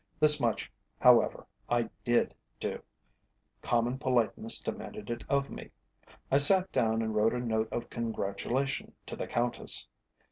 This much, however, I did do common politeness demanded it of me: I sat down and wrote a note of congratulation to the Countess.